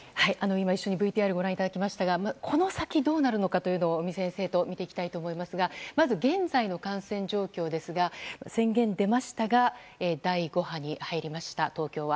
今、一緒にＶＴＲをご覧いただきましたがこの先どうなるのかというのを尾身先生と見ていきたいと思いますがまず、現在の感染状況ですが宣言出ましたが第５波に入りました、東京は。